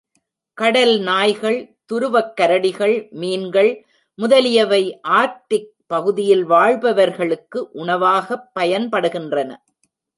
கடல் நாய்கள், துருவக் கரடிகள், மீன்கள் முதலியவை ஆர்க்டிக் பகுதியில் வாழ்பவர்களுக்கு உணவாகப் பயன்படுகின்றன.